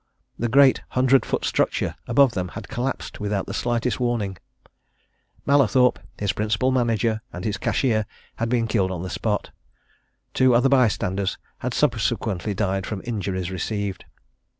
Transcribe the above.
The great hundred foot structure above them had collapsed without the slightest warning: Mallathorpe, his principal manager, and his cashier, had been killed on the spot: two other bystanders had subsequently died from injuries received.